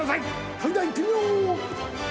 それではいってみよう。